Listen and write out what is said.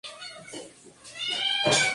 Louis Rarezas.